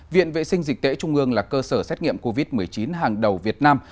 viện vệ sinh dịch tễ trung ương là cơ sở xét nghiệm covid một mươi chín hàng đầu việt nam